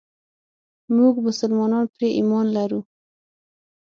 موږ مسلمانان پرې ايمان لرو.